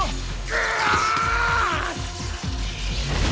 うわ！